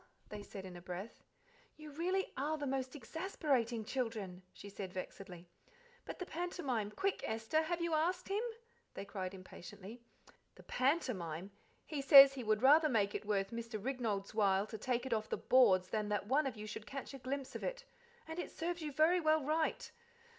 they said in a breath. "You really are the most exasperating children," she said vexedly. "But the pantomime quick, Esther have you asked him?" they cried impatiently. "The pantomime! He says he would rather make it worth Mr. Rignold's while to take it off the boards than that one of you should catch a glimpse of it and it serves you very well right!